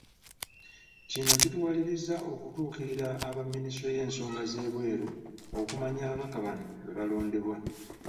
Kino kituwalirizza okutuukirira aba Minisitule y'ensonga z'ebweru okumanya ababaka bano bwe balondebwa.